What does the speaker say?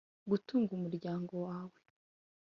Gutunga umuryango wawe